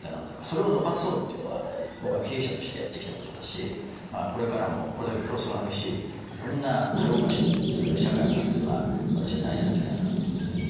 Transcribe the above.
それを伸ばそうっていうのが僕は経営者としてやってきたことだしこれからもこれだけ競争が激しいいろんな多様化する社会の中では私は大事なんじゃないかなと思いますね。